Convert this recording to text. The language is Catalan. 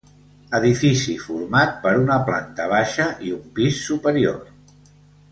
Edifici format per una planta baixa i un pis superior.